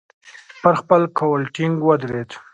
پر خپل قول ټینګ ودرېد.